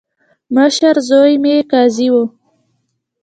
مشر زوی مې قاضي وو.